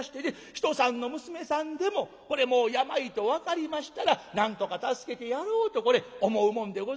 ひとさんの娘さんでもこれもう病と分かりましたらなんとか助けてやろうとこれ思うもんでございますよね。